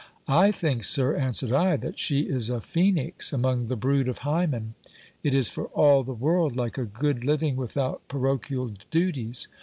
I think, sir, answered I, that she is a phenix among the brood of Hymen. It is for all the world like a good living without parochial duties.